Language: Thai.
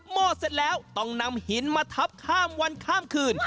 ห้อเสร็จแล้วต้องนำหินมาทับข้ามวันข้ามคืน